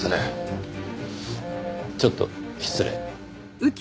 ちょっと失礼。